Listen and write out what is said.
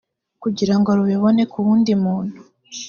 kugira ngo rubibone ku wundi muntu